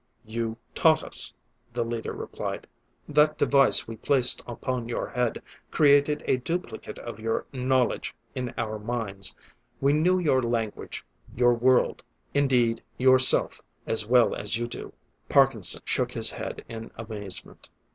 "You taught us," the leader replied. "That device we placed upon your head created a duplicate of your knowledge in our minds. We knew your language, your world, indeed, yourself, as well as you do." Parkinson shook his head in amazement.